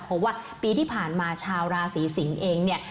เพราะว่าปีที่ผ่านมาชาวราศีสิงศ์เองเนี่ย